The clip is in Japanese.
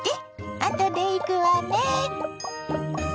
あとで行くわね。